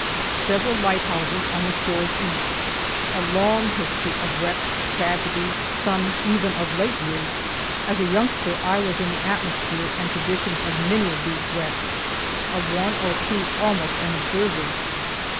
Several light houses on the shores east; a long history of wrecks tragedies, some even of late years. As a youngster, I was in the atmosphere and traditions of many of these wrecks of one or two almost an observer.